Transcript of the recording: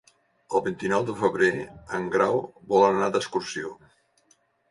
El vint-i-nou de febrer en Grau vol anar d'excursió.